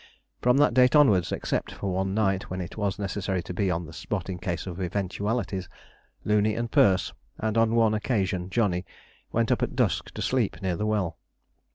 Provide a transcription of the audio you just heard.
From that date onwards, except for one night when it was necessary to be on the spot in case of eventualities, Looney and Perce, and on one occasion Johnny, went up at dusk to sleep near the well.